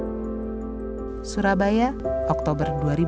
dan juga bagi saya para anak bumi yang akan menemukan kekuasaan kita